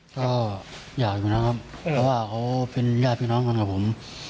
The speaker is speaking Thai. ก็อยากอยู่แล้วครับเพราะว่าเขาเป็นญาติพี่น้องกันกับผม